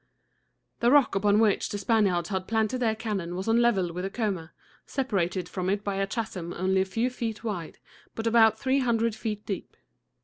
The rock upon which the Spaniards had planted their cannon was on a level with Acoma, separated from it by a chasm only a few feet wide but about three hundred feet deep.